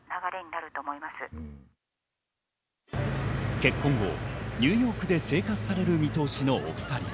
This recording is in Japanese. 結婚後、ニューヨークで生活される見通しのお２人。